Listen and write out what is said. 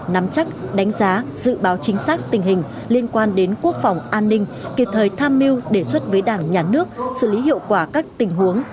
nắm chắc đánh giá dự báo chính xác tình hình liên quan đến quốc phòng an ninh kịp thời tham mưu đề xuất với đảng nhà nước xử lý hiệu quả các tình huống